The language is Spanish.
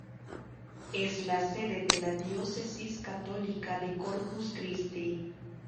Es la sede de la diócesis católica de Corpus Christi.